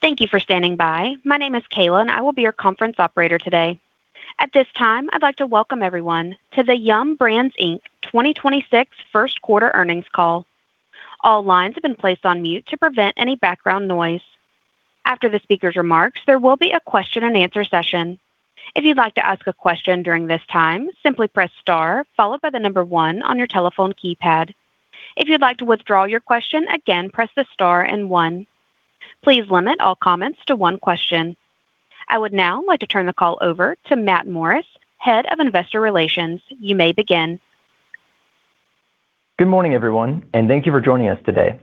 Thank you for standing by. My name is Kayla, and I will be your conference operator today. At this time, I'd like to welcome everyone to the Yum! Brands, Inc 2026 First Quarter Earnings Call. All lines have been placed on mute to prevent any background noise. After the speaker's remarks, there will be a question and answer session. If you'd like to ask a question during this time, simply press star followed by the number one on your telephone keypad. If you'd like to withdraw your question, again, press the star and one. Please limit all comments to one question. I would now like to turn the call over to Matt Morris, Head of Investor Relations. You may begin. Good morning, everyone, and thank you for joining us today.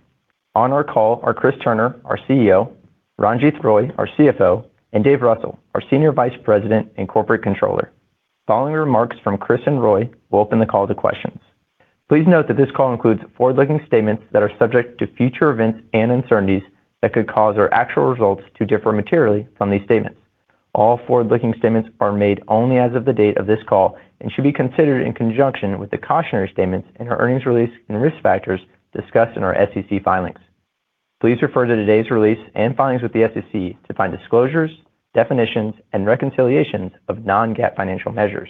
On our call are Chris Turner, our CEO, Ranjith Roy, our CFO, and Dave Russell, our Senior Vice President and Corporate Controller. Following remarks from Chris and Roy, we'll open the call to questions. Please note that this call includes forward-looking statements that are subject to future events and uncertainties that could cause our actual results to differ materially from these statements. All forward-looking statements are made only as of the date of this call and should be considered in conjunction with the cautionary statements in our earnings release and risk factors discussed in our SEC filings. Please refer to today's release and filings with the SEC to find disclosures, definitions, and reconciliations of non-GAAP financial measures.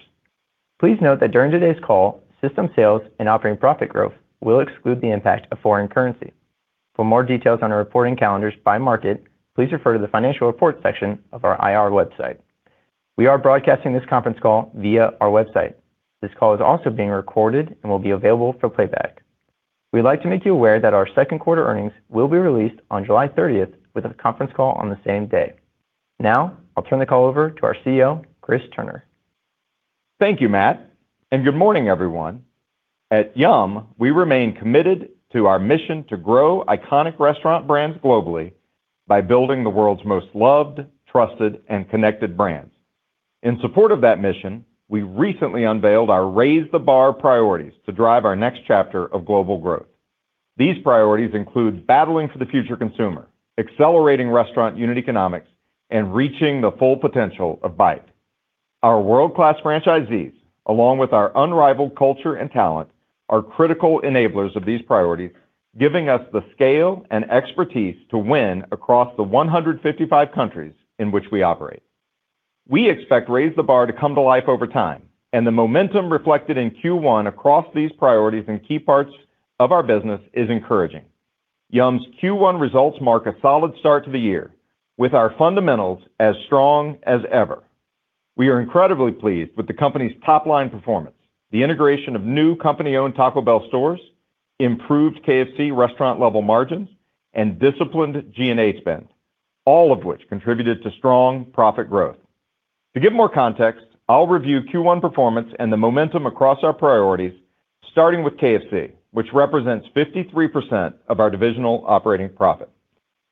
Please note that during today's call, system sales and operating profit growth will exclude the impact of foreign currency. For more details on our reporting calendars by market, please refer to the financial report section of our IR website. We are broadcasting this conference call via our website. This call is also being recorded and will be available for playback. We'd like to make you aware that our second quarter earnings will be released on July 30th with a conference call on the same day. Now, I'll turn the call over to our CEO, Chris Turner. Thank you, Matt, and good morning, everyone. At Yum!, we remain committed to our mission to grow iconic restaurant brands globally by building the world's most loved, trusted, and connected brands. In support of that mission, we recently unveiled our Raise the Bar priorities to drive our next chapter of global growth. These priorities include battling for the future consumer, accelerating restaurant unit economics, and reaching the full potential of Byte. Our world-class franchisees, along with our unrivaled culture and talent, are critical enablers of these priorities, giving us the scale and expertise to win across the 155 countries in which we operate. We expect Raise the Bar to come to life over time, and the momentum reflected in Q1 across these priorities and key parts of our business is encouraging. Yum!'s Q1 results mark a solid start to the year, with our fundamentals as strong as ever. We are incredibly pleased with the company's top-line performance, the integration of new company-owned Taco Bell stores, improved KFC restaurant-level margins, and disciplined G&A spend, all of which contributed to strong profit growth. To give more context, I'll review Q1 performance and the momentum across our priorities, starting with KFC, which represents 53% of our divisional operating profit.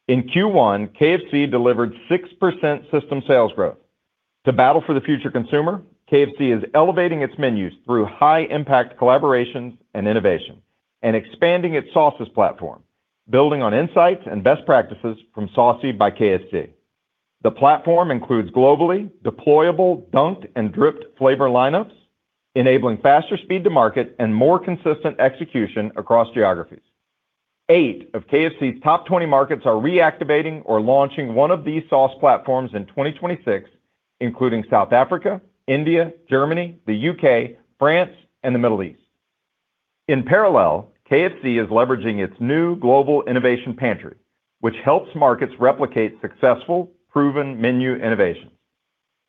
In Q1, KFC delivered 6% system sales growth. To battle for the future consumer, KFC is elevating its menus through high-impact collaborations and innovation and expanding its sauces platform, building on insights and best practices from Saucy by KFC. The platform includes globally deployable dunked and dripped flavor lineups, enabling faster speed to market and more consistent execution across geographies. Eight of KFC's top 20 markets are reactivating or launching one of these sauce platforms in 2026, including South Africa, India, Germany, the U.K., France, and the Middle East. In parallel, KFC is leveraging its new global innovation pantry, which helps markets replicate successful, proven menu innovations.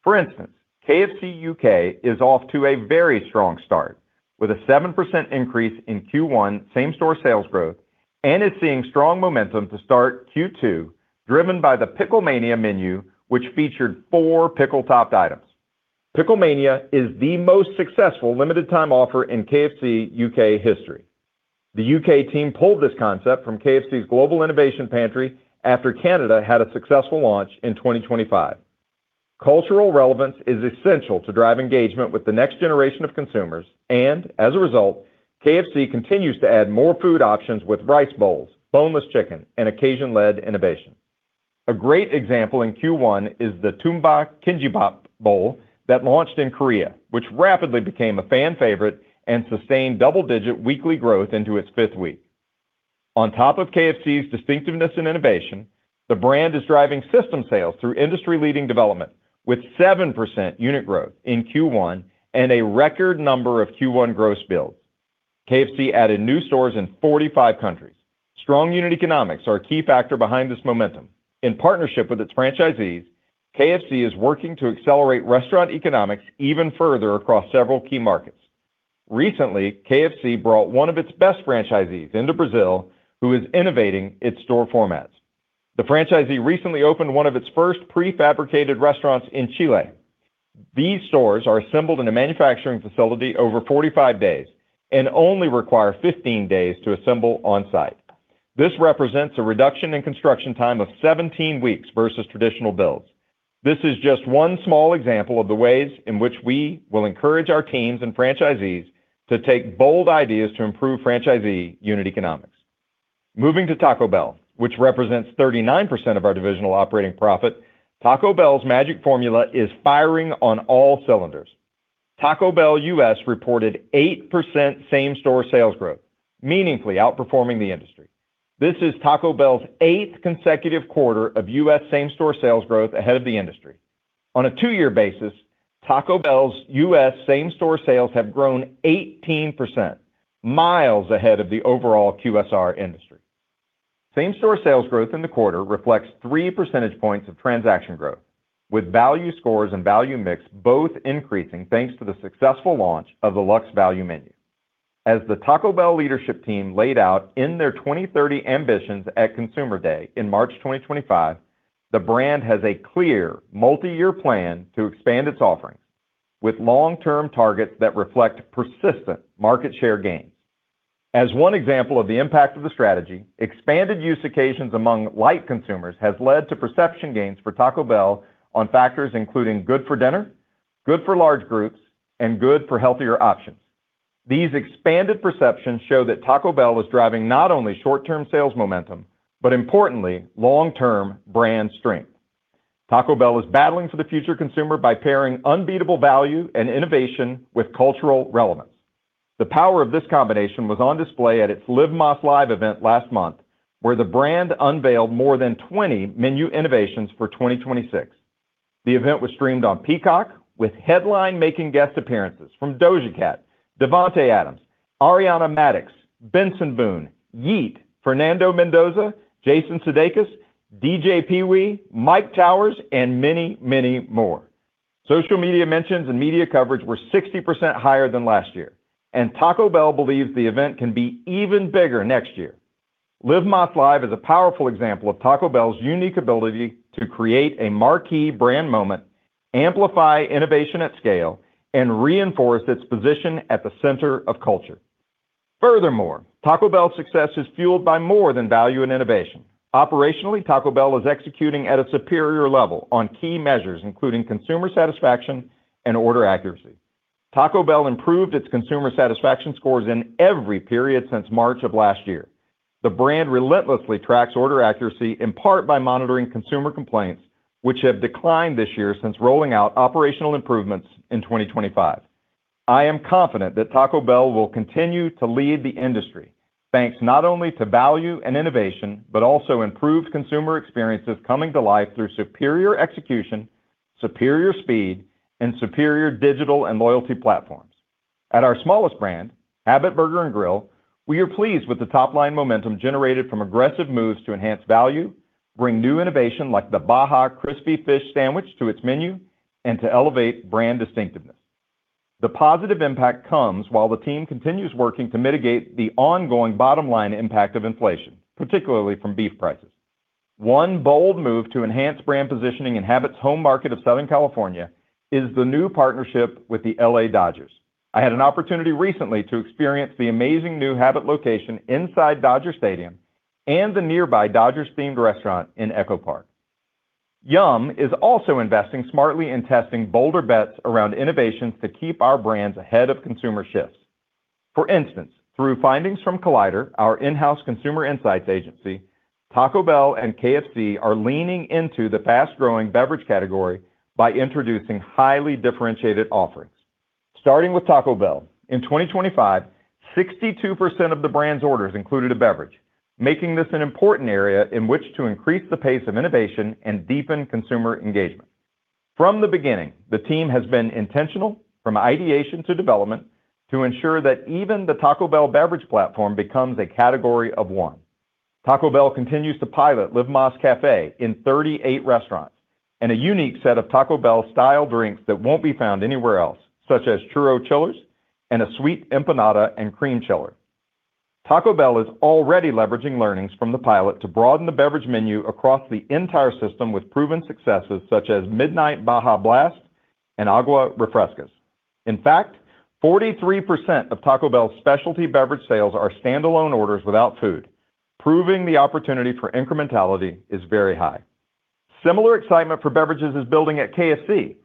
For instance, KFC U.K. is off to a very strong start with a 7% increase in Q1 same-store sales growth and is seeing strong momentum to start Q2, driven by the Picklemania menu, which featured four pickle-topped items. Picklemania is the most successful limited time offer in KFC U.K. history. The U.K. team pulled this concept from KFC's global innovation pantry after Canada had a successful launch in 2025. Cultural relevance is essential to drive engagement with the next generation of consumers. As a result, KFC continues to add more food options with rice bowls, boneless chicken, and occasion-led innovation. A great example in Q1 is the Toowoomba Kenchi Bap bowl that launched in Korea, which rapidly became a fan favorite and sustained double-digit weekly growth into its fifth week. On top of KFC's distinctiveness and innovation, the brand is driving system sales through industry-leading development with 7% unit growth in Q1 and a record number of Q1 gross builds. KFC added new stores in 45 countries. Strong unit economics are a key factor behind this momentum. In partnership with its franchisees, KFC is working to accelerate restaurant economics even further across several key markets. Recently, KFC brought one of its best franchisees into Brazil, who is innovating its store formats. The franchisee recently opened one of its first prefabricated restaurants in Chile. These stores are assembled in a manufacturing facility over 45 days and only require 15 days to assemble on-site. This represents a reduction in construction time of 17 weeks versus traditional builds. This is just one small example of the ways in which we will encourage our teams and franchisees to take bold ideas to improve franchisee unit economics. Moving to Taco Bell, which represents 39% of our divisional operating profit, Taco Bell's magic formula is firing on all cylinders. Taco Bell U.S. reported 8% same-store sales growth meaningfully outperforming the industry. This is Taco Bell's eighth consecutive quarter of U.S. same-store sales growth ahead of the industry. On a two-year basis, Taco Bell's U.S. same-store sales have grown 18%, miles ahead of the overall QSR industry. Same-store sales growth in the quarter reflects 3 percentage points of transaction growth, with value scores and value mix both increasing, thanks to the successful launch of the Luxe Value Menu. As the Taco Bell leadership team laid out in their 2030 ambitions at Consumer Day in March 2025, the brand has a clear multi-year plan to expand its offerings, with long-term targets that reflect persistent market share gains. As one example of the impact of the strategy, expanded use occasions among light consumers has led to perception gains for Taco Bell on factors including good for dinner, good for large groups, and good for healthier options. These expanded perceptions show that Taco Bell is driving not only short-term sales momentum, but importantly, long-term brand strength. Taco Bell is battling for the future consumer by pairing unbeatable value and innovation with cultural relevance. The power of this combination was on display at its Live Más Live event last month, where the brand unveiled more than 20 menu innovations for 2026. The event was streamed on Peacock with headline-making guest appearances from Doja Cat, Davante Adams, Ariana Madix, Benson Boone, Yeat, Fernando Mendoza, Jason Sudeikis, DJ Pee .Wee, Myke Towers, and many, many more. Social media mentions and media coverage were 60% higher than last year, and Taco Bell believes the event can be even bigger next year. Live Más Live is a powerful example of Taco Bell's unique ability to create a marquee brand moment, amplify innovation at scale, and reinforce its position at the center of culture. Furthermore, Taco Bell's success is fueled by more than value and innovation. Operationally, Taco Bell is executing at a superior level on key measures, including consumer satisfaction and order accuracy. Taco Bell improved its consumer satisfaction scores in every period since March of last year. The brand relentlessly tracks order accuracy, in part by monitoring consumer complaints, which have declined this year since rolling out operational improvements in 2025. I am confident that Taco Bell will continue to lead the industry, thanks not only to value and innovation, but also improved consumer experiences coming to life through superior execution, superior speed, and superior digital and loyalty platforms. At our smallest brand, Habit Burger & Grill, we are pleased with the top-line momentum generated from aggressive moves to enhance value, bring new innovation like the Baja Crispy Fish Sandwich to its menu, and to elevate brand distinctiveness. The positive impact comes while the team continues working to mitigate the ongoing bottom-line impact of inflation, particularly from beef prices. One bold move to enhance brand positioning in Habit's home market of Southern California is the new partnership with the L.A. Dodgers. I had an opportunity recently to experience the amazing new Habit location inside Dodger Stadium and the nearby Dodgers-themed restaurant in Echo Park. Yum! is also investing smartly in testing bolder bets around innovations to keep our brands ahead of consumer shifts. For instance, through findings from Collider, our in-house consumer insights agency, Taco Bell and KFC are leaning into the fast-growing beverage category by introducing highly differentiated offerings. Starting with Taco Bell, in 2025, 62% of the brand's orders included a beverage, making this an important area in which to increase the pace of innovation and deepen consumer engagement. From the beginning, the team has been intentional from ideation to development to ensure that even the Taco Bell beverage platform becomes a category of one. Taco Bell continues to pilot Live Más Café in 38 restaurants and a unique set of Taco Bell style drinks that won't be found anywhere else, such as Churro Chillers and a Sweet Empanadas & Cream Chiller. Taco Bell is already leveraging learnings from the pilot to broaden the beverage menu across the entire system with proven successes such as MOUNTAIN DEW BAJA MIDNIGHT and Agua Refrescas. In fact, 43% of Taco Bell's specialty beverage sales are standalone orders without food, proving the opportunity for incrementality is very high. Similar excitement for beverages is building at KFC.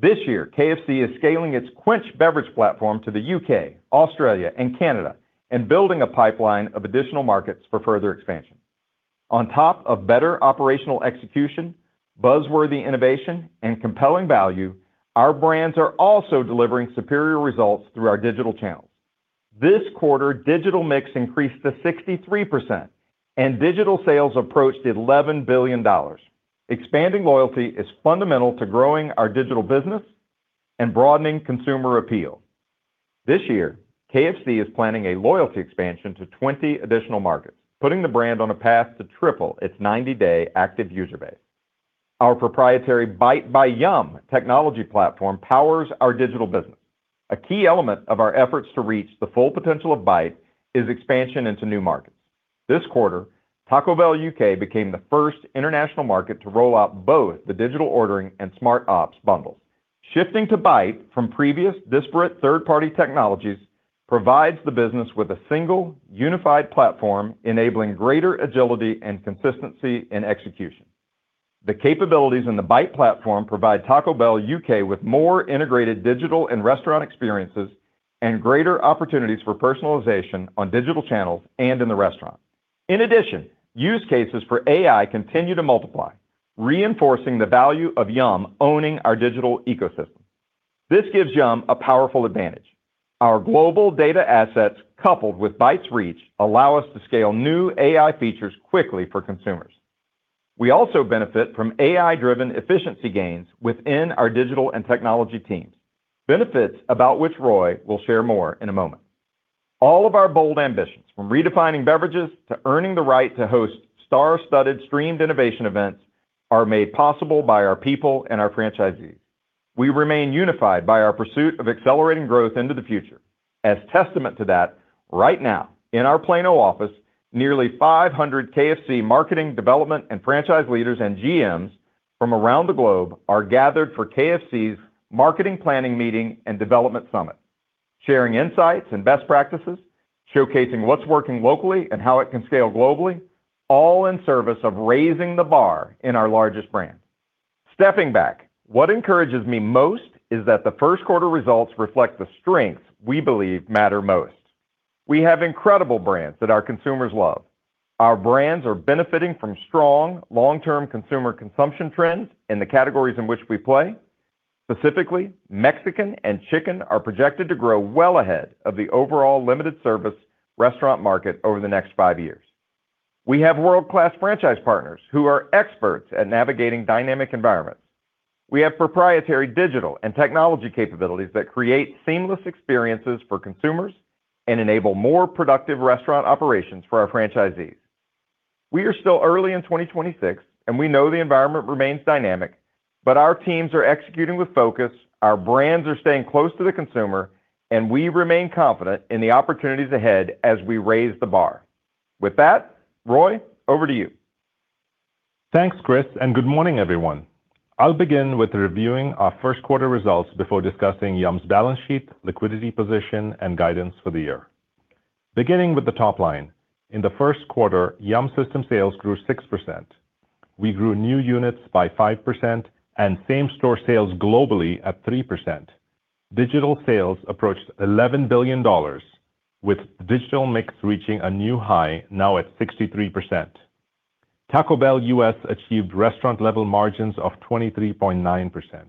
This year, KFC is scaling its Kwench beverage platform to the U.K., Australia, and Canada, and building a pipeline of additional markets for further expansion. On top of better operational execution, buzz-worthy innovation, and compelling value, our brands are also delivering superior results through our digital channels. This quarter, digital mix increased to 63%, and digital sales approached $11 billion. Expanding loyalty is fundamental to growing our digital business and broadening consumer appeal. This year, KFC is planning a loyalty expansion to 20 additional markets, putting the brand on a path to triple its 90-day active user base. Our proprietary Byte by Yum! technology platform powers our digital business. A key element of our efforts to reach the full potential of Byte is expansion into new markets. This quarter, Taco Bell UK became the first international market to roll out both the digital ordering and Smart Ops bundles. Shifting to Byte from previous disparate third-party technologies provides the business with a single unified platform, enabling greater agility and consistency in execution. The capabilities in the Byte platform provide Taco Bell UK with more integrated digital and restaurant experiences and greater opportunities for personalization on digital channels and in the restaurant. Use cases for AI continue to multiply reinforcing the value of Yum! owning our digital ecosystem. This gives Yum! a powerful advantage. Our global data assets coupled with Byte's reach allow us to scale new AI features quickly for consumers. We also benefit from AI-driven efficiency gains within our digital and technology teams, benefits about which Roy will share more in a moment. All of our bold ambitions, from redefining beverages to earning the right to host star-studded streamed innovation events, are made possible by our people and our franchisees. We remain unified by our pursuit of accelerating growth into the future. As testament to that, right now in our Plano office, nearly 500 KFC marketing development and franchise leaders and GMs from around the globe are gathered for KFC's marketing planning meeting and development summit, sharing insights and best practices, showcasing what's working locally and how it can scale globally, all in service of Raise the Bar in our largest brand. Stepping back, what encourages me most is that the first quarter results reflect the strengths we believe matter most. We have incredible brands that our consumers love. Our brands are benefiting from strong long-term consumer consumption trends in the categories in which we play. Specifically, Mexican and chicken are projected to grow well ahead of the overall limited service restaurant market over the next five years. We have world-class franchise partners who are experts at navigating dynamic environments. We have proprietary digital and technology capabilities that create seamless experiences for consumers and enable more productive restaurant operations for our franchisees. We are still early in 2026, and we know the environment remains dynamic, but our teams are executing with focus, our brands are staying close to the consumer, and we remain confident in the opportunities ahead as we Raise the Bar. With that, Roy, over to you. Thanks, Chris. Good morning, everyone. I'll begin with reviewing our first quarter results before discussing Yum!'s balance sheet, liquidity position, and guidance for the year. Beginning with the top line, in the first quarter, Yum! system sales grew 6%. We grew new units by 5% and same-store sales globally at 3%. Digital sales approached $11 billion with digital mix reaching a new high now at 63%. Taco Bell U.S. achieved restaurant-level margins of 23.9%.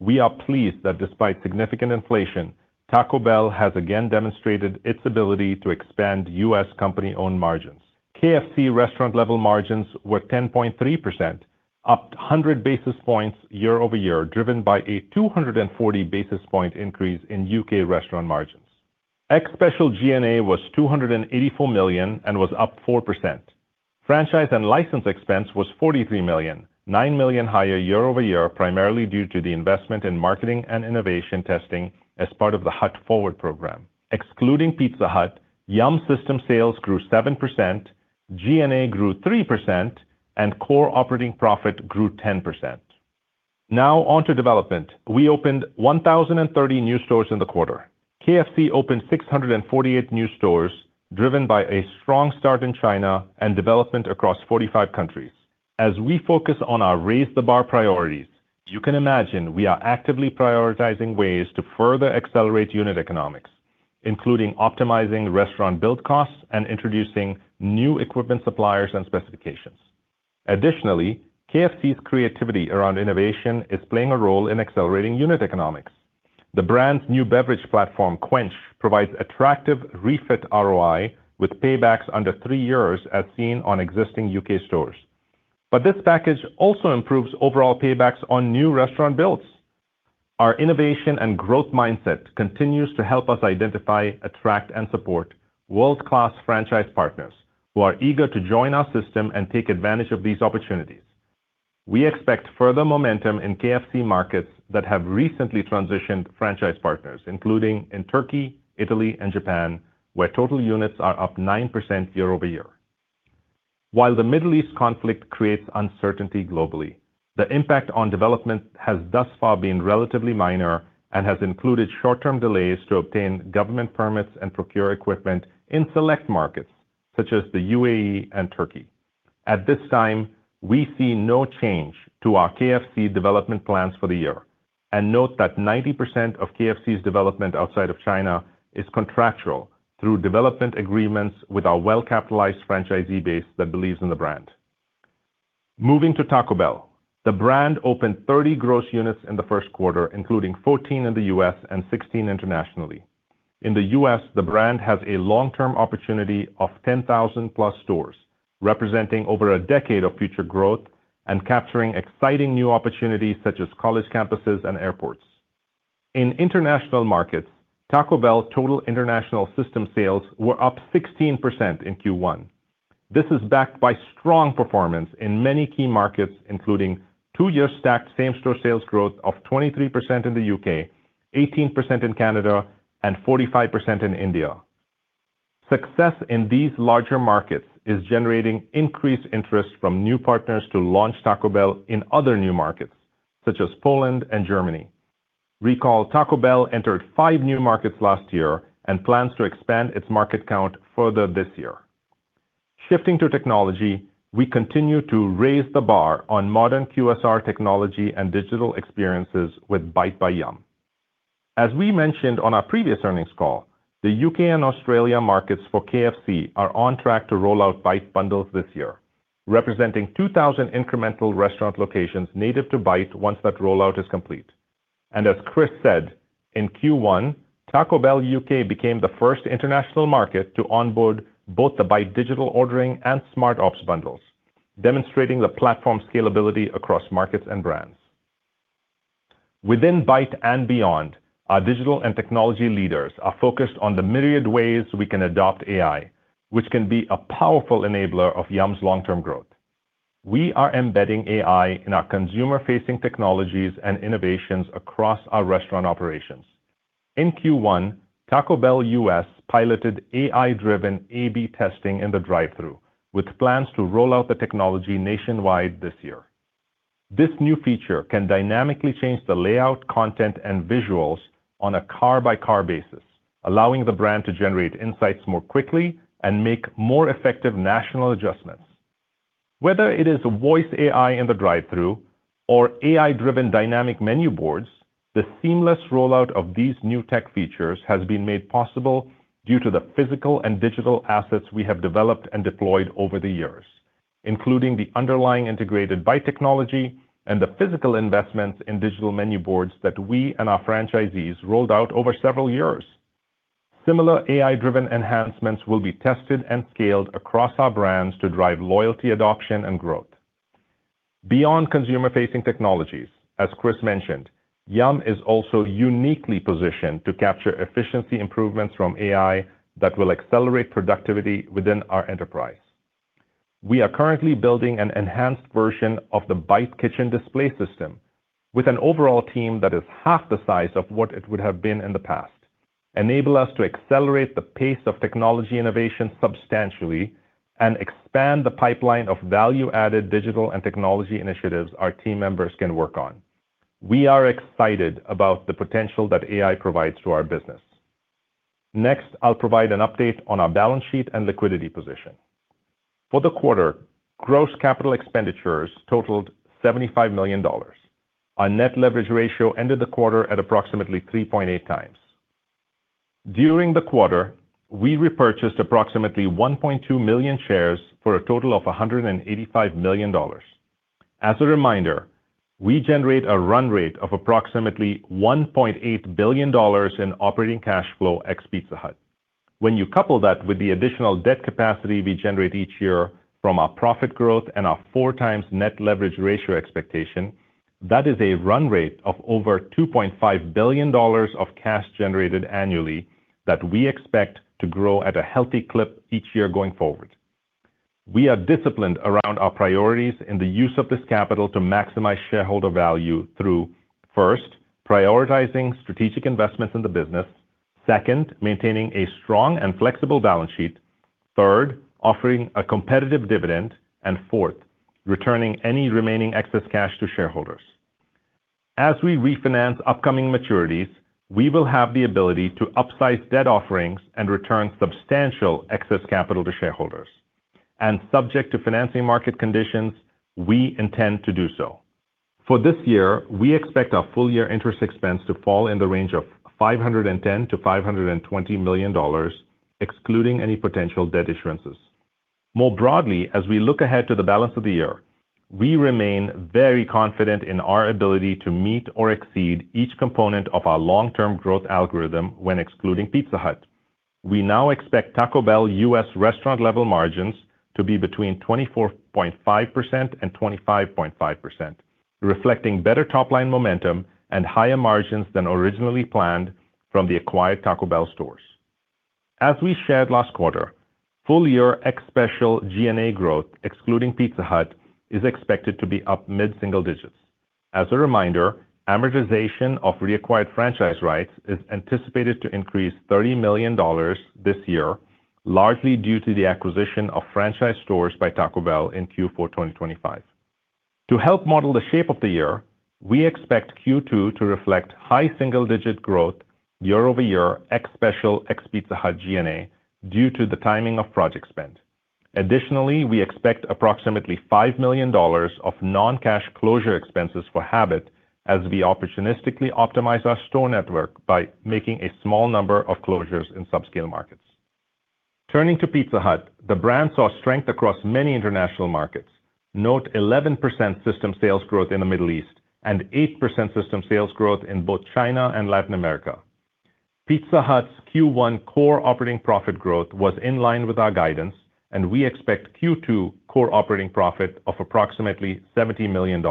We are pleased that despite significant inflation, Taco Bell has again demonstrated its ability to expand U.S. company-owned margins. KFC restaurant level margins were 10.3%, up 100 basis points year-over-year, driven by a 240 basis point increase in U.K. restaurant margins. Ex special G&A was $284 million and was up 4%. Franchise and license expense was $43 million, $9 million higher year-over-year, primarily due to the investment in marketing and innovation testing as part of the Hut Forward program. Excluding Pizza Hut, Yum! system sales grew 7%, G&A grew 3%, and core operating profit grew 10%. Now on to development. We opened 1,030 new stores in the quarter. KFC opened 648 new stores, driven by a strong start in China and development across 45 countries. As we focus on our Raise the Bar priorities, you can imagine we are actively prioritizing ways to further accelerate unit economics, including optimizing restaurant build costs and introducing new equipment suppliers and specifications. Additionally, KFC's creativity around innovation is playing a role in accelerating unit economics. The brand's new beverage platform, Kwench, provides attractive refit ROI with paybacks under three years as seen on existing U.K. stores. This package also improves overall paybacks on new restaurant builds. Our innovation and growth mindset continues to help us identify, attract, and support world-class franchise partners who are eager to join our system and take advantage of these opportunities. We expect further momentum in KFC markets that have recently transitioned franchise partners, including in Turkey, Italy, and Japan, where total units are up 9% year-over-year. While the Middle East conflict creates uncertainty globally, the impact on development has thus far been relatively minor and has included short-term delays to obtain government permits and procure equipment in select markets, such as the UAE and Turkey. At this time, we see no change to our KFC development plans for the year, and note that 90% of KFC's development outside of China is contractual through development agreements with our well-capitalized franchisee base that believes in the brand. Moving to Taco Bell, the brand opened 30 gross units in the first quarter, including 14 in the U.S. and 16 internationally. In the U.S., the brand has a long-term opportunity of 10,000+ stores, representing over a decade of future growth and capturing exciting new opportunities such as college campuses and airports. In international markets, Taco Bell total international system sales were up 16% in Q1. This is backed by strong performance in many key markets, including two-year stacked same-store sales growth of 23% in the U.K., 18% in Canada, and 45% in India. Success in these larger markets is generating increased interest from new partners to launch Taco Bell in other new markets, such as Poland and Germany. Recall, Taco Bell entered five new markets last year and plans to expand its market count further this year. Shifting to technology, we continue to raise the bar on modern QSR technology and digital experiences with Byte by Yum!. as we mentioned on our previous earnings call, the U.K. and Australia markets for KFC are on track to roll out Byte bundles this year, representing 2,000 incremental restaurant locations native to Byte once that rollout is complete. As Chris said, in Q1, Taco Bell U.K. became the first international market to onboard both the Byte digital ordering and Smart Ops bundles, demonstrating the platform scalability across markets and brands. Within Byte and beyond, our digital and technology leaders are focused on the myriad ways we can adopt AI, which can be a powerful enabler of Yum!'s long-term growth. We are embedding AI in our consumer-facing technologies and innovations across our restaurant operations. In Q1, Taco Bell U.S. piloted AI-driven A/B testing in the drive-thru, with plans to roll out the technology nationwide this year. This new feature can dynamically change the layout, content, and visuals on a car-by-car basis, allowing the brand to generate insights more quickly and make more effective national adjustments. Whether it is voice AI in the drive-thru or AI-driven dynamic menu boards, the seamless rollout of these new tech features has been made possible due to the physical and digital assets we have developed and deployed over the years, including the underlying integrated Byte technology and the physical investments in digital menu boards that we and our franchisees rolled out over several years. Similar AI-driven enhancements will be tested and scaled across our brands to drive loyalty adoption and growth. Beyond consumer-facing technologies, as Chris mentioned, Yum! is also uniquely positioned to capture efficiency improvements from AI that will accelerate productivity within our enterprise. We are currently building an enhanced version of the Byte Kitchen display system with an overall team that is half the size of what it would have been in the past, enable us to accelerate the pace of technology innovation substantially and expand the pipeline of value-added digital and technology initiatives our team members can work on. We are excited about the potential that AI provides to our business. Next, I'll provide an update on our balance sheet and liquidity position. For the quarter, gross capital expenditures totaled $75 million. Our net leverage ratio ended the quarter at approximately 3.8x. During the quarter, we repurchased approximately 1.2 million shares for a total of $185 million. As a reminder, we generate a run rate of approximately $1.8 billion in operating cash flow ex Pizza Hut. When you couple that with the additional debt capacity we generate each year from our profit growth and our 4x net leverage ratio expectation, that is a run rate of over $2.5 billion of cash generated annually that we expect to grow at a healthy clip each year going forward. We are disciplined around our priorities in the use of this capital to maximize shareholder value through, first, prioritizing strategic investments in the business. Second, maintaining a strong and flexible balance sheet. Third, offering a competitive dividend. Fourth, returning any remaining excess cash to shareholders. As we refinance upcoming maturities, we will have the ability to upsize debt offerings and return substantial excess capital to shareholders. Subject to financing market conditions, we intend to do so. For this year, we expect our full year interest expense to fall in the range of $510 million-$520 million, excluding any potential debt issuances. More broadly, as we look ahead to the balance of the year, we remain very confident in our ability to meet or exceed each component of our long-term growth algorithm when excluding Pizza Hut. We now expect Taco Bell U.S. restaurant-level margins to be between 24.5% and 25.5%, reflecting better top-line momentum and higher margins than originally planned from the acquired Taco Bell stores. As we shared last quarter, full year ex special G&A growth, excluding Pizza Hut, is expected to be up mid-single digits. As a reminder, amortization of reacquired franchise rights is anticipated to increase $30 million this year, largely due to the acquisition of franchise stores by Taco Bell in Q4 2025. To help model the shape of the year, we expect Q2 to reflect high single-digit growth year-over-year ex special, ex Pizza Hut G&A due to the timing of project spend. We expect approximately $5 million of non-cash closure expenses for Habit as we opportunistically optimize our store network by making a small number of closures in subscale markets. Turning to Pizza Hut, the brand saw strength across many international markets. Note 11% system sales growth in the Middle East and 8% system sales growth in both China and Latin America. Pizza Hut's Q1 core operating profit growth was in line with our guidance, and we expect Q2 core operating profit of approximately $70 million.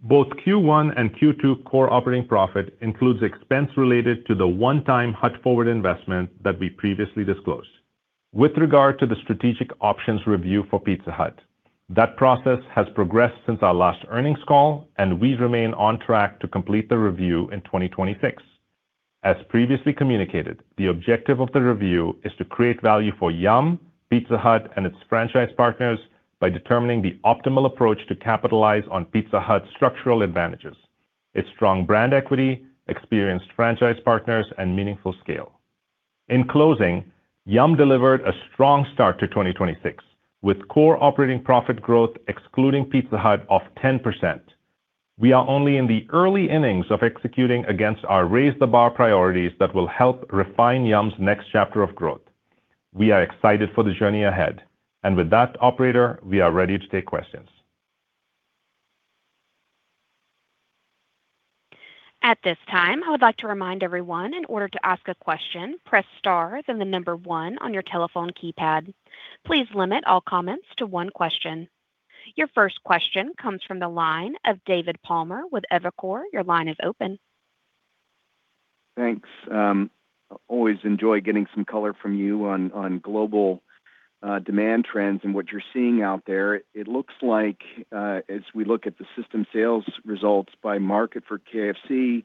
Both Q1 and Q2 core operating profit includes expense related to the one-time Hut Forward investment that we previously disclosed. With regard to the strategic options review for Pizza Hut, that process has progressed since our last earnings call, and we remain on track to complete the review in 2026. As previously communicated, the objective of the review is to create value for Yum!, Pizza Hut, and its franchise partners by determining the optimal approach to capitalize on Pizza Hut's structural advantages, its strong brand equity, experienced franchise partners, and meaningful scale. In closing, Yum! delivered a strong start to 2026, with core operating profit growth excluding Pizza Hut of 10%. We are only in the early innings of executing against our Raise the Bar priorities that will help refine Yum!'s next chapter of growth. We are excited for the journey ahead. With that operator, we are ready to take questions. At this time, I would like to remind everyone in order to ask a question, press star, then the number one on your telephone keypad. Please limit all comments to one question. Your first question comes from the line of David Palmer with Evercore. Your line is open. Thanks. Always enjoy getting some color from you on global demand trends and what you're seeing out there. It looks like, as we look at the system sales results by market for KFC,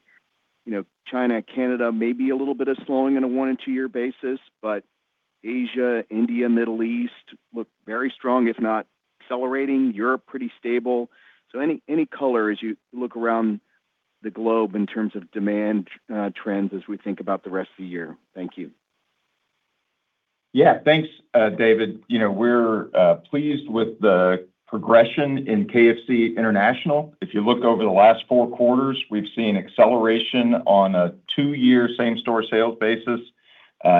China, Canada may be a little bit of slowing in a one and two-year basis, but Asia, India, Middle East look very strong, if not accelerating. Europe, pretty stable. Any color as you look around the globe in terms of demand trends as we think about the rest of the year? Thank you. Yeah. Thanks, David. You know, we're pleased with the progression in KFC International. If you look over the last four quarters, we've seen acceleration on a two-year same-store sales basis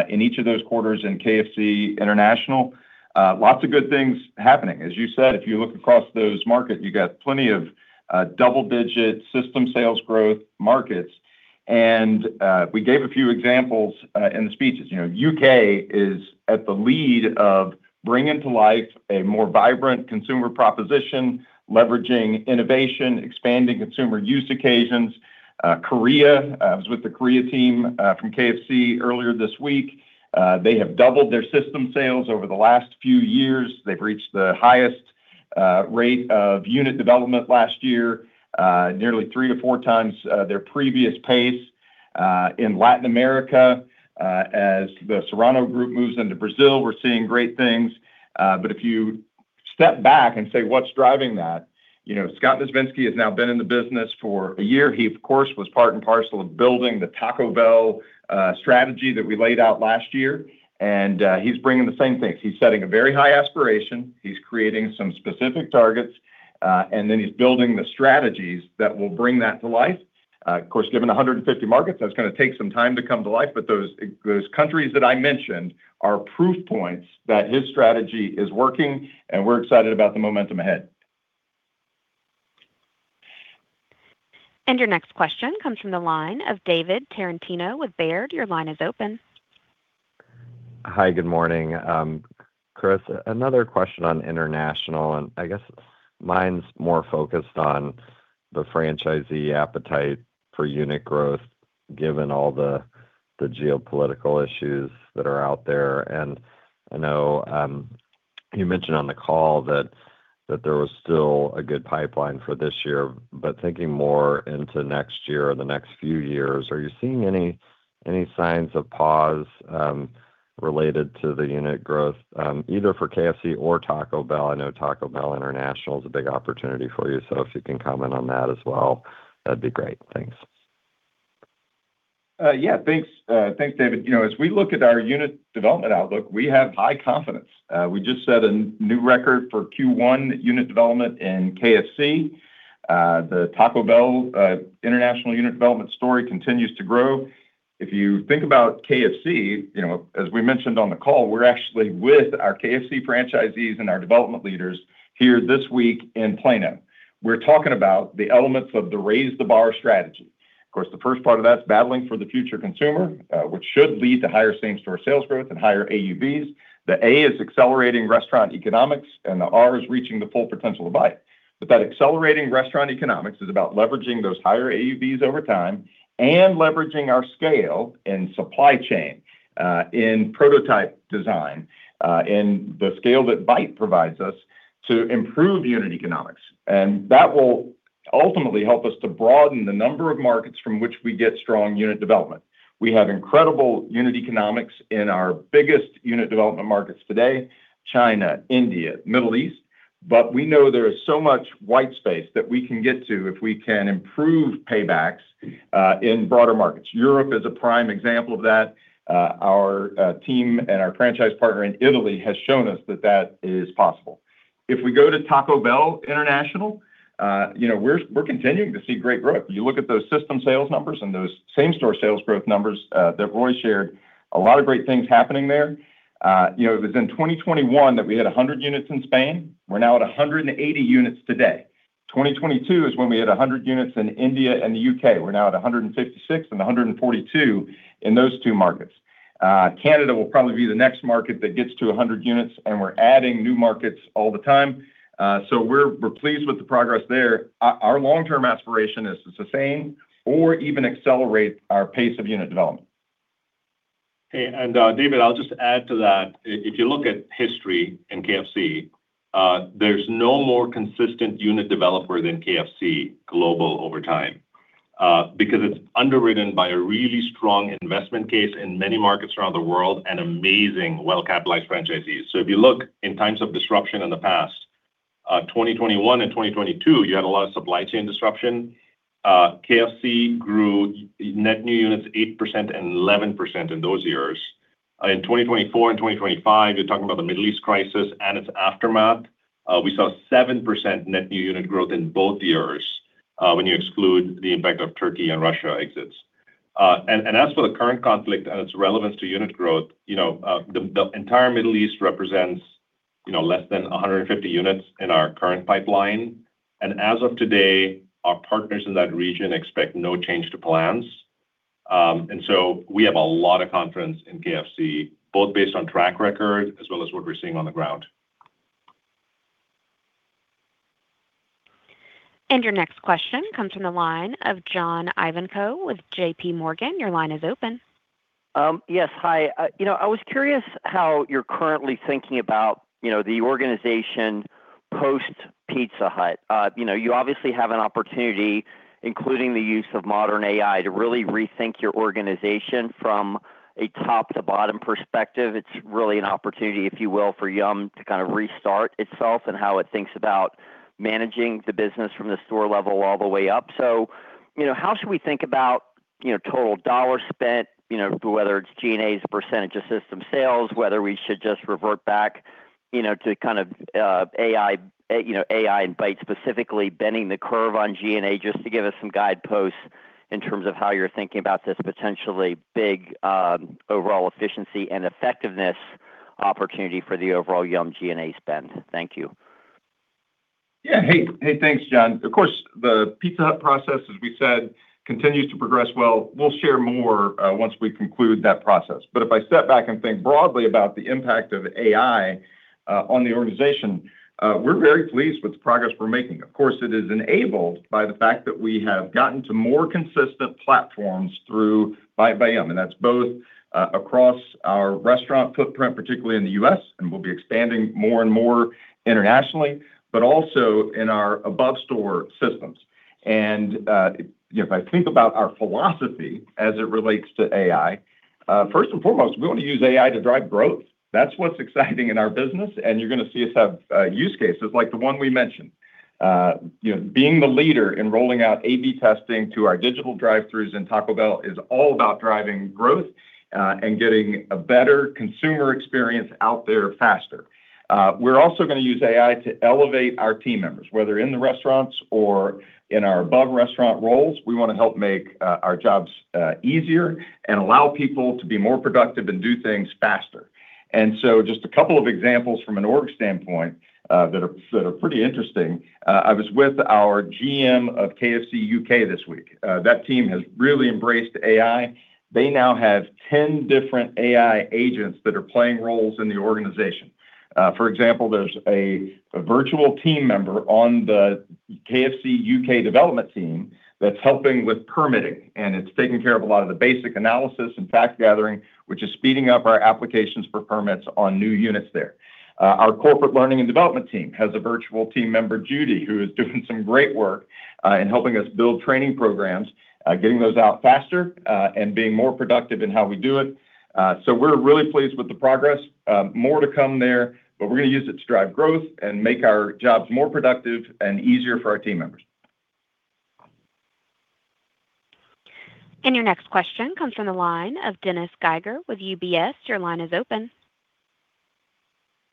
in each of those quarters in KFC International. Lots of good things happening. As you said, if you look across those markets, you got plenty of double-digit system sales growth markets. We gave a few examples in the speeches. You know, U.K. is at the lead of bringing to life a more vibrant consumer proposition, leveraging innovation, expanding consumer use occasions. Korea, I was with the Korea team from KFC earlier this week. They have doubled their system sales over the last few years. They've reached the highest rate of unit development last year, nearly 3x-4x their previous pace. In Latin America, as the Serrano Group moves into Brazil, we're seeing great things. If you step back and say, "What's driving that?" You know, Scott Aschenbrenner has now been in the business for a year. He, of course, was part and parcel of building the Taco Bell strategy that we laid out last year. He's bringing the same things. He's setting a very high aspiration, he's creating some specific targets, and then he's building the strategies that will bring that to life. Of course, given 150 markets, that's gonna take some time to come to life. Those countries that I mentioned are proof points that his strategy is working, and we're excited about the momentum ahead. Your next question comes from the line of David Tarantino with Baird. Your line is open. Hi, good morning. Chris, another question on international. I guess mine's more focused on the franchisee appetite for unit growth, given all the geopolitical issues that are out there. I know you mentioned on the call that there was still a good pipeline for this year, but thinking more into next year or the next few years, are you seeing any signs of pause related to the unit growth either for KFC or Taco Bell? I know Taco Bell International is a big opportunity for you. If you can comment on that as well, that'd be great. Thanks. Yeah. Thanks, thanks, David. You know, as we look at our unit development outlook, we have high confidence. We just set a new record for Q1 unit development in KFC. The Taco Bell International unit development story continues to grow. If you think about KFC, you know, as we mentioned on the call, we're actually with our KFC franchisees and our development leaders here this week in Plano. We're talking about the elements of the Raise the Bar strategy. Of course, the first part of that is battling for the future consumer, which should lead to higher same-store sales growth and higher AUVs. The A is accelerating restaurant economics, and the R is reaching the full potential to Byte. That accelerating restaurant economics is about leveraging those higher AUVs over time and leveraging our scale in supply chain, in prototype design, in the scale that Byte provides us to improve unit economics. That will ultimately help us to broaden the number of markets from which we get strong unit development. We have incredible unit economics in our biggest unit development markets today, China, India, Middle East, but we know there is so much white space that we can get to if we can improve paybacks in broader markets. Europe is a prime example of that. Our team and our franchise partner in Italy has shown us that that is possible. If we go to Taco Bell International, you know, we're continuing to see great growth. You look at those system sales numbers and those same-store sales growth numbers that Roy shared, a lot of great things happening there. You know, it was in 2021 that we had 100 units in Spain. We're now at 180 units today. 2022 is when we had 100 units in India and the U.K. We're now at 156 and 142 in those two markets. Canada will probably be the next market that gets to 100 units, and we're adding new markets all the time. We're pleased with the progress there. Our long-term aspiration is to sustain or even accelerate our pace of unit development. Hey, David, I'll just add to that. If you look at history in KFC, there's no more consistent unit developer than KFC Global over time, because it's underwritten by a really strong investment case in many markets around the world and amazing well-capitalized franchisees. If you look in times of disruption in the past- 2021 and 2022, you had a lot of supply chain disruption. KFC grew net new units 8% and 11% in those years. In 2024 and 2025, you're talking about the Middle East crisis and its aftermath. We saw 7% net new unit growth in both years, when you exclude the impact of Turkey and Russia exits. As for the current conflict and its relevance to unit growth, you know, the entire Middle East represents, you know, less than 150 units in our current pipeline. As of today, our partners in that region expect no change to plans. We have a lot of confidence in KFC, both based on track record as well as what we're seeing on the ground. Your next question comes from the line of John Ivankoe with JPMorgan. Your line is open. Yes. Hi. You know, I was curious how you're currently thinking about, you know, the organization post Pizza Hut. You know, you obviously have an opportunity, including the use of modern AI, to really rethink your organization from a top to bottom perspective. It's really an opportunity, if you will, for Yum! to kind of restart itself and how it thinks about managing the business from the store level all the way up. You know, how should we think about, you know, total dollars spent, you know, whether it's G&A's percent of system sales, whether we should just revert back, you know, to kind of AI invite, specifically bending the curve on G&A just to give us some guideposts in terms of how you're thinking about this potentially big overall efficiency and effectiveness opportunity for the overall Yum! G&A spend. Thank you. Yeah. Hey, hey, thanks, John. The Pizza Hut process, as we said, continues to progress well. We'll share more once we conclude that process. If I step back and think broadly about the impact of AI on the organization, we're very pleased with the progress we're making. It is enabled by the fact that we have gotten to more consistent platforms Byte by Yum!, and that's both across our restaurant footprint, particularly in the U.S., and we'll be expanding more and more internationally, but also in our above store systems. You know, if I think about our philosophy as it relates to AI, first and foremost, we want to use AI to drive growth. That's what's exciting in our business, you're gonna see us have use cases like the one we mentioned. You know, being the leader in rolling out A/B testing to our digital drive-throughs in Taco Bell is all about driving growth and getting a better consumer experience out there faster. We're also gonna use AI to elevate our team members, whether in the restaurants or in our above restaurant roles. We wanna help make our jobs easier and allow people to be more productive and do things faster. Just a couple of examples from an org standpoint that are pretty interesting. I was with our GM of KFC U.K. this week. That team has really embraced AI. They now have 10 different AI agents that are playing roles in the organization. For example, there's a virtual team member on the KFC U.K. development team that's helping with permitting, and it's taking care of a lot of the basic analysis and fact gathering, which is speeding up our applications for permits on new units there. Our corporate learning and development team has a virtual team member, Judy, who is doing some great work in helping us build training programs, getting those out faster, and being more productive in how we do it. We're really pleased with the progress. More to come there. We're gonna use it to drive growth and make our jobs more productive and easier for our team members. Your next question comes from the line of Dennis Geiger with UBS. Your line is open.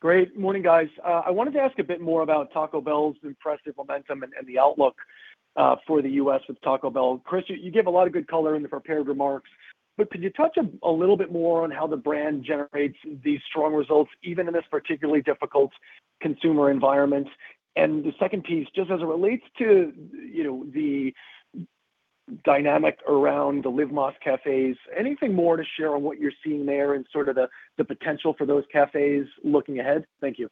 Great morning, guys. I wanted to ask a bit more about Taco Bell's impressive momentum and the outlook for the U.S. with Taco Bell. Chris, you gave a lot of good color in the prepared remarks, but could you touch a little bit more on how the brand generates these strong results, even in this particularly difficult consumer environment? The second piece, just as it relates to, you know, the dynamic around the Live Más Cafés, anything more to share on what you're seeing there and sort of the potential for those Cafés looking ahead? Thank you.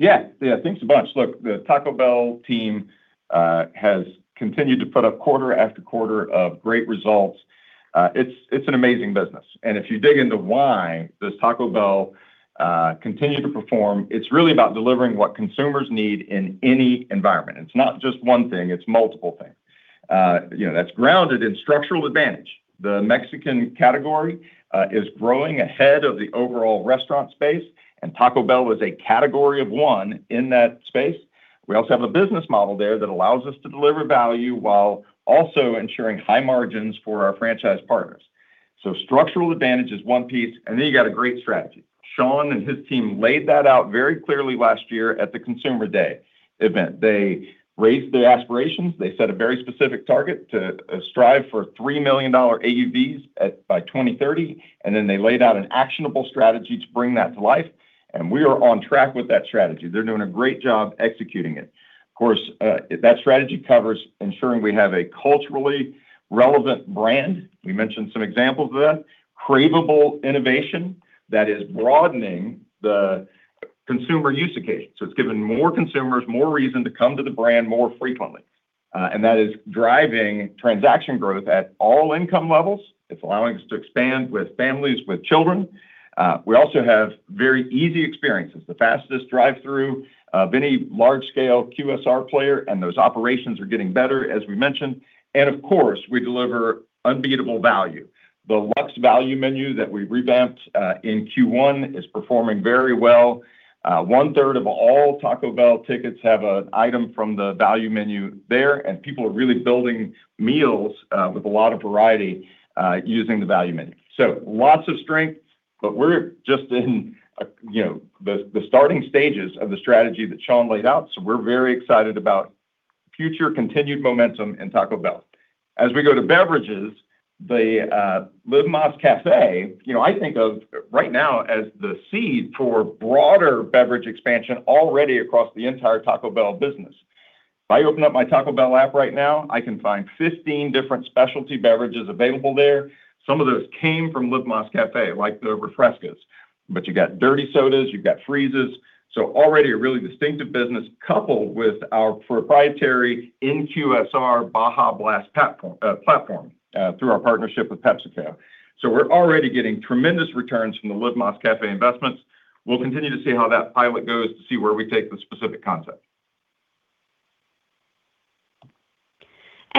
Thanks a bunch. Look, the Taco Bell team has continued to put up quarter after quarter of great results. It's an amazing business. If you dig into why does Taco Bell continue to perform, it's really about delivering what consumers need in any environment. It's not just one thing, it's multiple things. You know, that's grounded in structural advantage. The Mexican category is growing ahead of the overall restaurant space. Taco Bell was a category of one in that space. We also have a business model there that allows us to deliver value while also ensuring high margins for our franchise partners. Structural advantage is one piece. You got a great strategy. Sean and his team laid that out very clearly last year at the Consumer Day event. They raised their aspirations. They set a very specific target to strive for $3 million AUVs at by 2030, and then they laid out an actionable strategy to bring that to life, and we are on track with that strategy. They're doing a great job executing it. Of course, that strategy covers ensuring we have a culturally relevant brand. We mentioned some examples of that. Cravable innovation that is broadening the consumer use occasion. It's given more consumers more reason to come to the brand more frequently. That is driving transaction growth at all income levels. It's allowing us to expand with families with children. We also have very easy experiences. The fastest drive through of any large scale QSR player, and those operations are getting better, as we mentioned. Of course, we deliver unbeatable value. The Luxe Value Menu that we revamped in Q1 is performing very well. 1/3 of all Taco Bell tickets have an item from the value menu there, people are really building meals with a lot of variety using the value menu. Lots of strength. We're just in, you know, the starting stages of the strategy that Sean laid out, we're very excited about future continued momentum in Taco Bell. As we go to beverages, the Live Más Café, you know, I think of right now as the seed for broader beverage expansion already across the entire Taco Bell business. If I open up my Taco Bell app right now, I can find 15 different specialty beverages available there. Some of those came from Live Más Café, like the Refrescas. You got dirty sodas, you've got freezes. Already a really distinctive business coupled with our proprietary in QSR Baja Blast platform through our partnership with PepsiCo. We're already getting tremendous returns from the Live Más Café investments. We'll continue to see how that pilot goes to see where we take the specific concept.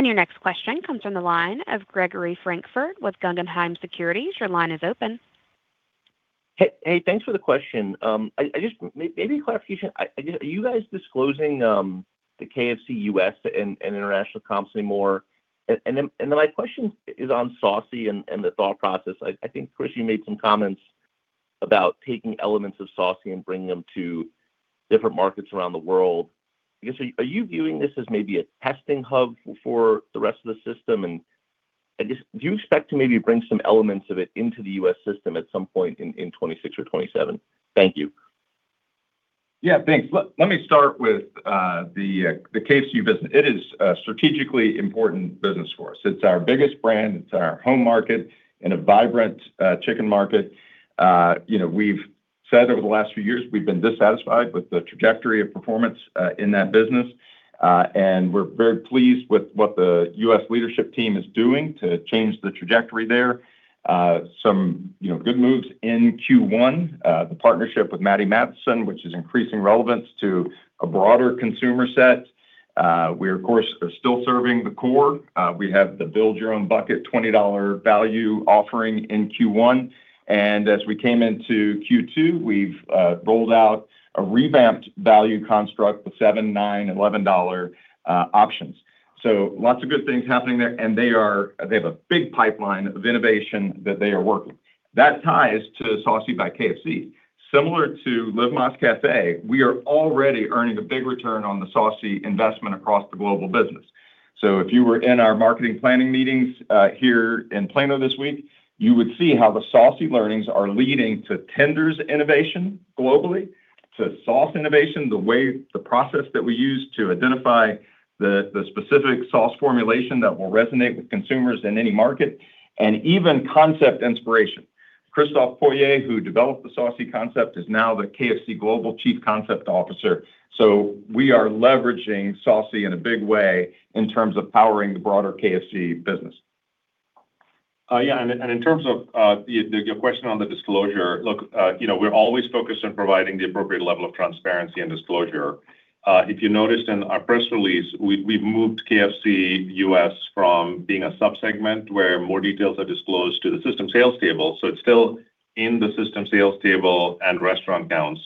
Your next question comes from the line of Gregory Francfort with Guggenheim Securities. Your line is open. Hey, hey, thanks for the question. I just maybe a clarification. Are you guys disclosing the KFC U.S. and international comps anymore? My question is on Saucy and the thought process. I think, Chris, you made some comments about taking elements of Saucy and bringing them to different markets around the world. I guess, are you viewing this as maybe a testing hub for the rest of the system? I guess, do you expect to maybe bring some elements of it into the U.S. system at some point in 2026 or 2027? Thank you. Thanks. Let me start with the KFC business. It is a strategically important business for us. It's our biggest brand. It's our home market in a vibrant chicken market. You know, we've said over the last few years we've been dissatisfied with the trajectory of performance in that business. We're very pleased with what the U.S. leadership team is doing to change the trajectory there. Some, you know, good moves in Q1. The partnership with Matty Matheson, which is increasing relevance to a broader consumer set. We, of course, are still serving the core. We have the build your own bucket $20 value offering in Q1. As we came into Q2, we've rolled out a revamped value construct with $7, $9, $11 options. Lots of good things happening there. They have a big pipeline of innovation that they are working. That ties to Saucy by KFC. Similar to Live Más Café, we are already earning a big return on the Saucy investment across the global business. If you were in our marketing planning meetings, here in Plano this week, you would see how the Saucy learnings are leading to tenders innovation globally, to sauce innovation, the process that we use to identify the specific sauce formulation that will resonate with consumers in any market, and even concept inspiration. Christophe Poirier, who developed the Saucy concept, is now the KFC Global Chief Concept Officer. We are leveraging Saucy in a big way in terms of powering the broader KFC business. Yeah, and in terms of your question on the disclosure. Look, you know, we're always focused on providing the appropriate level of transparency and disclosure. If you noticed in our press release, we've moved KFC U.S. from being a subsegment where more details are disclosed to the system sales table. It's still in the system sales table and restaurant counts.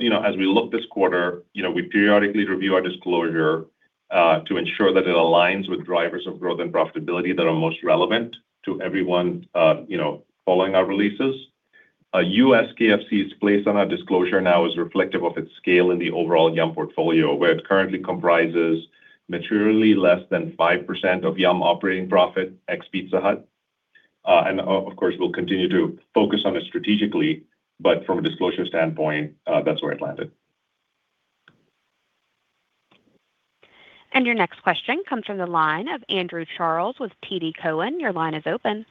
You know, as we look this quarter, you know, we periodically review our disclosure to ensure that it aligns with drivers of growth and profitability that are most relevant to everyone, you know, following our releases. U.S. KFC's place on our disclosure now is reflective of its scale in the overall Yum! portfolio, where it currently comprises materially less than 5% of Yum! operating profit ex Pizza Hut. Of course, we'll continue to focus on it strategically. From a disclosure standpoint, that's where it landed. Your next question comes from the line of Andrew Charles with TD Cowen. Your line is open.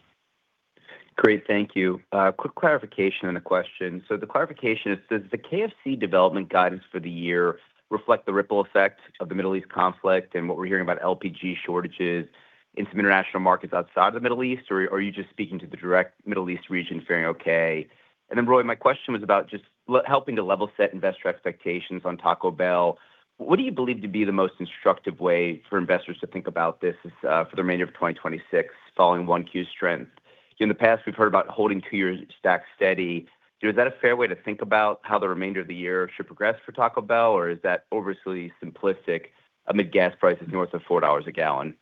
Great. Thank you. Quick clarification and a question. The clarification is, does the KFC development guidance for the year reflect the ripple effect of the Middle East conflict and what we're hearing about LPG shortages in some international markets outside of the Middle East? Or are you just speaking to the direct Middle East region fairing okay? Roy, my question was about just helping to level set investor expectations on Taco Bell. What do you believe to be the most instructive way for investors to think about this as for the remainder of 2026 following 1Q strength? In the past, we've heard about holding two years stack steady. Is that a fair way to think about how the remainder of the year should progress for Taco Bell, or is that overly simplistic amid gas prices north of $4 a gallon?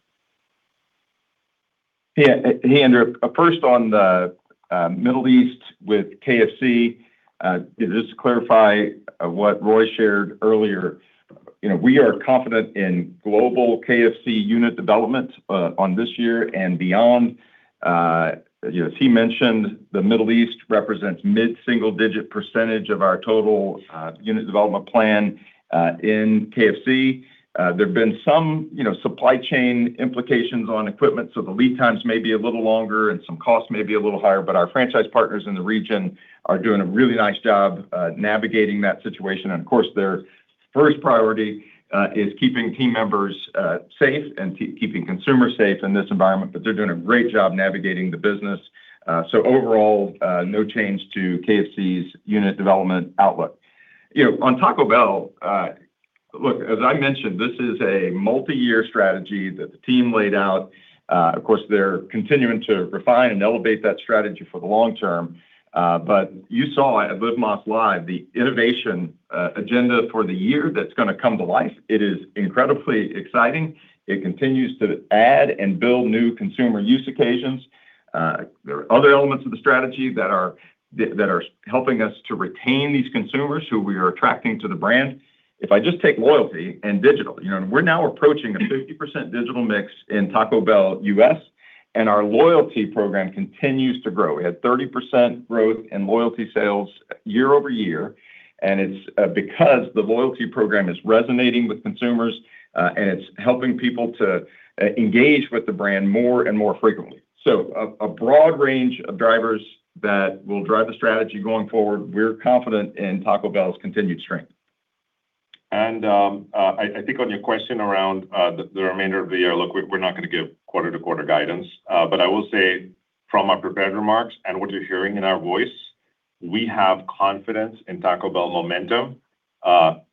Hey, Andrew. First, on the Middle East with KFC, just to clarify what Roy shared earlier, we are confident in global KFC unit development on this year and beyond. As he mentioned, the Middle East represents mid-single digit percentage of our total unit development plan in KFC. There have been some supply chain implications on equipment, the lead times may be a little longer and some costs may be a little higher. Our franchise partners in the region are doing a really nice job navigating that situation. Of course, their first priority is keeping team members safe and keeping consumers safe in this environment, but they're doing a great job navigating the business. Overall, no change to KFC's unit development outlook. You know, on Taco Bell, Look, as I mentioned, this is a multi-year strategy that the team laid out. Of course, they're continuing to refine and elevate that strategy for the long term. You saw at Live Más Live the innovation agenda for the year that's gonna come to life. It is incredibly exciting. It continues to add and build new consumer use occasions. There are other elements of the strategy that are helping us to retain these consumers who we are attracting to the brand. If I just take loyalty and digital, you know, we're now approaching a 50% digital mix in Taco Bell U.S., our loyalty program continues to grow. We had 30% growth in loyalty sales year-over-year, it's because the loyalty program is resonating with consumers, and it's helping people to engage with the brand more and more frequently. A broad range of drivers that will drive the strategy going forward. We're confident in Taco Bell's continued strength. I think on your question around the remainder of the year, look, we're not gonna give quarter-to-quarter guidance. I will say from our prepared remarks and what you're hearing in our voice, we have confidence in Taco Bell momentum.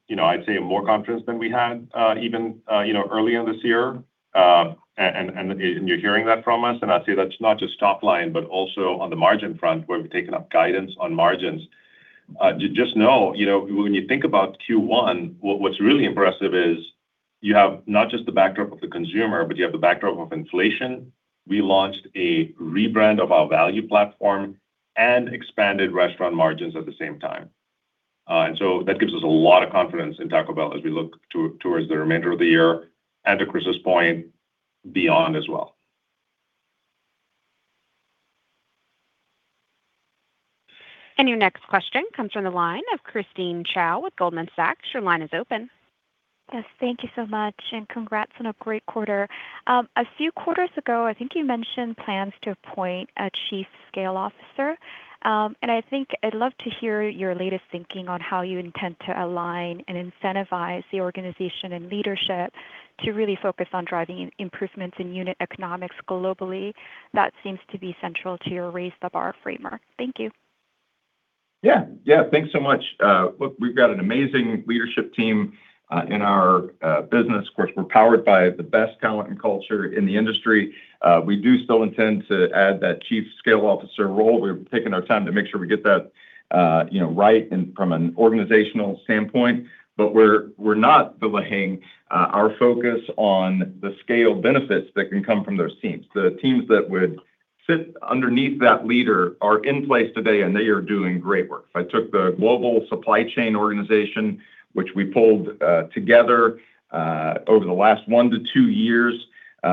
You know, I'd say more confidence than we had even, you know, earlier this year. You're hearing that from us, and I'd say that's not just top line, but also on the margin front where we've taken up guidance on margins. Just know, you know, when you think about Q1, what's really impressive is you have not just the backdrop of the consumer, but you have the backdrop of inflation. We launched a rebrand of our value platform and expanded restaurant margins at the same time. That gives us a lot of confidence in Taco Bell as we look towards the remainder of the year and to Chris's point, beyond as well. Your next question comes from the line of Christine Cho with Goldman Sachs. Yes, thank you so much, and congrats on a great quarter. A few quarters ago, I think you mentioned plans to appoint a chief scale officer. I think I'd love to hear your latest thinking on how you intend to align and incentivize the organization and leadership to really focus on driving improvements in unit economics globally. That seems to be central to your Raise the Bar framework. Thank you. Yeah. Yeah. Thanks so much. Look, we've got an amazing leadership team in our business. Of course, we're powered by the best talent and culture in the industry. We do still intend to add that chief scale officer role. We're taking our time to make sure we get that, you know, right and from an organizational standpoint. We're not delaying our focus on the scale benefits that can come from those teams. The teams that would sit underneath that leader are in place today, and they are doing great work. If I took the global supply chain organization, which we pulled together over the last one to two years,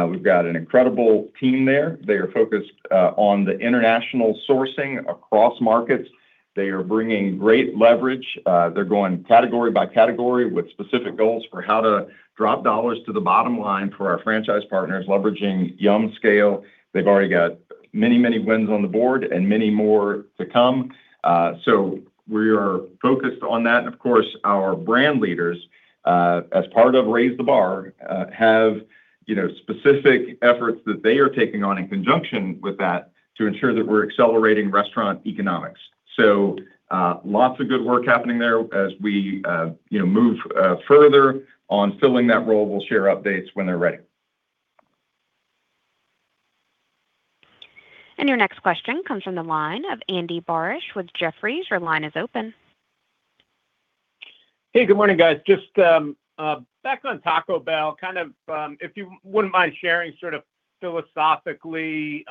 we've got an incredible team there. They are focused on the international sourcing across markets. They are bringing great leverage. They're going category by category with specific goals for how to drop dollars to the bottom line for our franchise partners, leveraging Yum! scale. They've already got many, many wins on the board and many more to come. We are focused on that. Of course, our brand leaders, as part of Raise the Bar, have, you know, specific efforts that they are taking on in conjunction with that to ensure that we're accelerating restaurant economics. Lots of good work happening there. As we, you know, move further on filling that role, we'll share updates when they're ready. Your next question comes from the line of Andy Barish with Jefferies. Your line is open. Hey, good morning, guys. Just back on Taco Bell, kind of, if you wouldn't mind sharing sort of philosophically,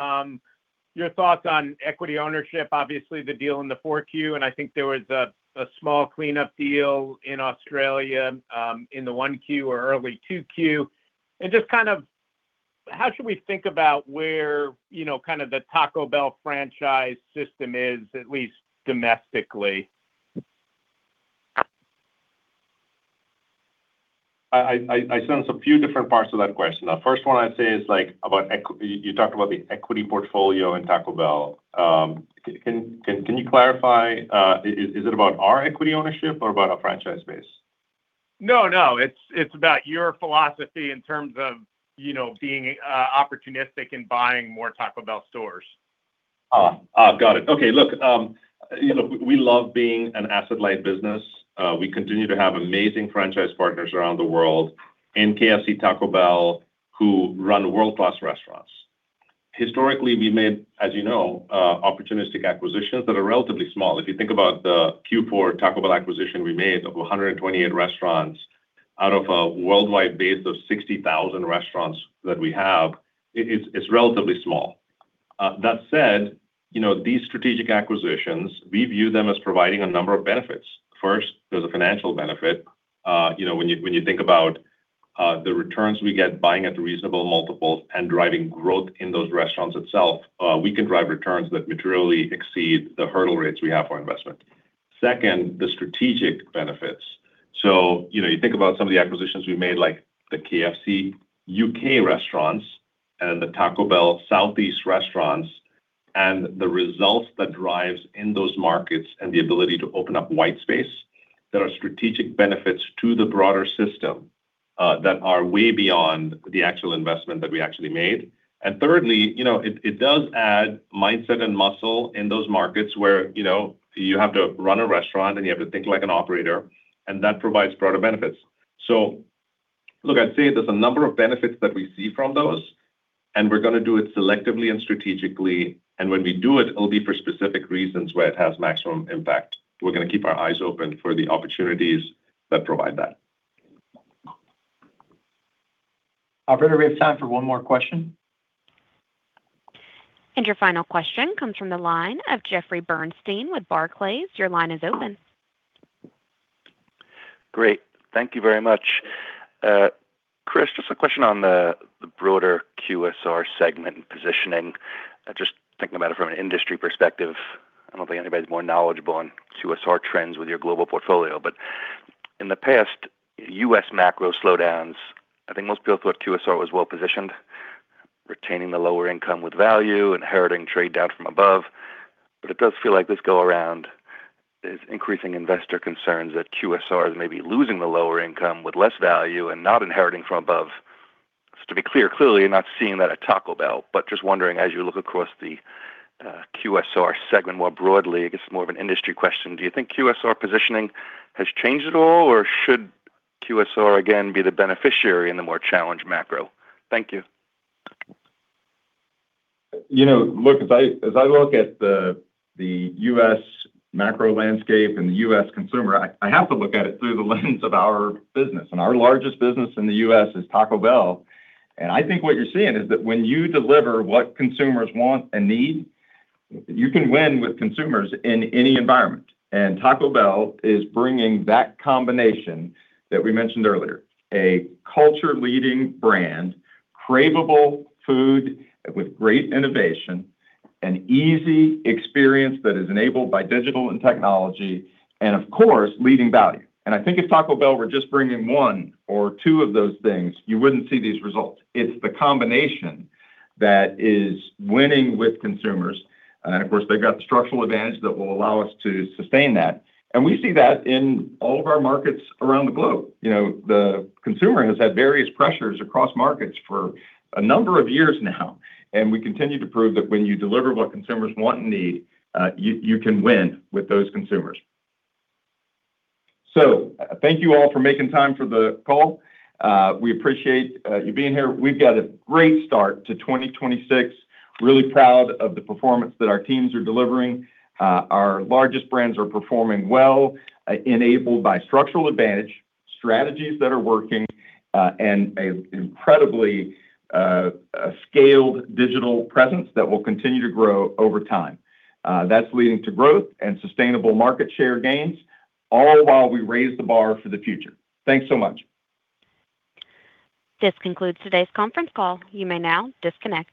your thoughts on equity ownership. Obviously, the deal in the 4Q, and I think there was a small cleanup deal in Australia in the 1Q or early 2Q. Just kind of how should we think about where, you know, kinda the Taco Bell franchise system is, at least domestically? I sense a few different parts to that question. The first one I'd say is, like, about you talked about the equity portfolio in Taco Bell. Can you clarify, is it about our equity ownership or about our franchise base? No, no. It's, it's about your philosophy in terms of, you know, being opportunistic in buying more Taco Bell stores. Got it. Okay, look, you know, we love being an asset-light business. We continue to have amazing franchise partners around the world in KFC, Taco Bell, who run world-class restaurants. Historically, we made, as you know, opportunistic acquisitions that are relatively small. If you think about the Q4 Taco Bell acquisition we made of 128 restaurants out of a worldwide base of 60,000 restaurants that we have, it's relatively small. That said, you know, these strategic acquisitions, we view them as providing a number of benefits. First, there's a financial benefit. You know, when you think about the returns we get buying at reasonable multiples and driving growth in those restaurants itself, we can drive returns that materially exceed the hurdle rates we have for investment. Second, the strategic benefits. You know, you think about some of the acquisitions we made, like the KFC U.K. restaurants and the Taco Bell Southeast restaurants, and the results that drives in those markets and the ability to open up white space, there are strategic benefits to the broader system. That are way beyond the actual investment that we actually made. Thirdly, you know, it does add mindset and muscle in those markets where, you know, you have to run a restaurant, and you have to think like an operator, and that provides broader benefits. Look, I'd say there's a number of benefits that we see from those, and we're gonna do it selectively and strategically. When we do it'll be for specific reasons where it has maximum impact. We're gonna keep our eyes open for the opportunities that provide that. Operator, we have time for one more question. Your final question comes from the line of Jeffrey Bernstein with Barclays. Your line is open. Great. Thank you very much. Chris, just a question on the broader QSR segment positioning. Just thinking about it from an industry perspective. I don't think anybody's more knowledgeable on QSR trends with your global portfolio. In the past, U.S. macro slowdowns, I think most people thought QSR was well-positioned, retaining the lower income with value, inheriting trade down from above. It does feel like this go around is increasing investor concerns that QSR is maybe losing the lower income with less value and not inheriting from above. Just to be clear, clearly you're not seeing that at Taco Bell. Just wondering as you look across the QSR segment more broadly, I guess more of an industry question. Do you think QSR positioning has changed at all, or should QSR again, be the beneficiary in the more challenged macro? Thank you. You know, look, as I look at the U.S. macro landscape and the U.S. consumer, I have to look at it through the lens of our business. Our largest business in the U.S. is Taco Bell. I think what you're seeing is that when you deliver what consumers want and need, you can win with consumers in any environment. Taco Bell is bringing that combination that we mentioned earlier, a culture leading brand, craveable food with great innovation, an easy experience that is enabled by digital and technology and of course, leading value. I think if Taco Bell were just bringing one or two of those things, you wouldn't see these results. It's the combination that is winning with consumers. Of course, they've got the structural advantage that will allow us to sustain that. We see that in all of our markets around the globe. You know, the consumer has had various pressures across markets for a number of years now, we continue to prove that when you deliver what consumers want and need, you can win with those consumers. Thank you all for making time for the call. We appreciate you being here. We've got a great start to 2026. Really proud of the performance that our teams are delivering. Our largest brands are performing well, enabled by structural advantage, strategies that are working, an incredibly scaled digital presence that will continue to grow over time. That's leading to growth and sustainable market share gains, all while we Raise the Bar for the future. Thanks so much. This concludes today's conference call. You may now disconnect.